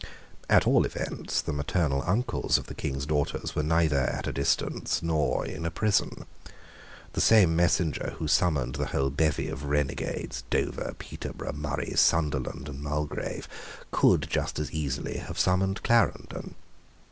At all events the maternal uncles of the King's daughters were neither at a distance nor in a prison. The same messenger who summoned the whole bevy of renegades, Dover, Peterborough, Murray, Sunderland, and Mulgrave, could just as easily have summoned Clarendon.